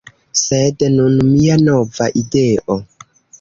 Sed, nun mia nova ideo